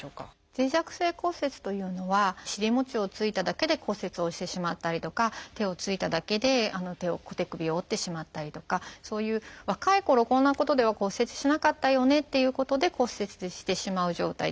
脆弱性骨折というのは尻もちをついただけで骨折をしてしまったりとか手をついただけで手首を折ってしまったりとかそういう若いころこんなことでは骨折しなかったよねっていうことで骨折してしまう状態